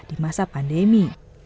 di masa pandemi